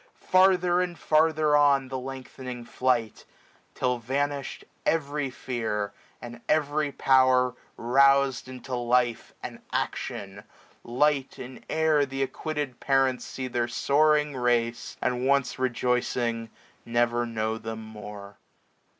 Farther and farther on, the lengthening flight ; Till vanished every fear, and every power RouzM into life and action, light in air Th' acquitted parents see their soaring race, 750 And once rejoicing never know them more.